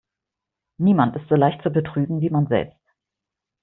Niemand ist so leicht zu betrügen, wie man selbst.